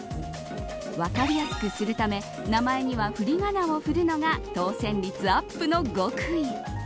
分かりやすくするため名前にはふりがなをふるのが当選率アップの極意。